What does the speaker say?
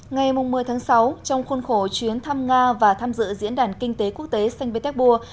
ngày một mươi tháng sáu trong khuôn khổ chuyến thăm nga và tham dự diễn đàn kinh tế quốc tế saint petersburg